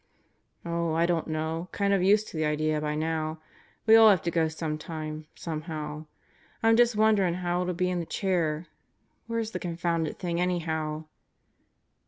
"Oh, I don't know. Kinda used to the idea by now. We all have to go some time, somehow. I'm just wonderin' how it'll be in the chair. Where's the confounded thing anyhow?"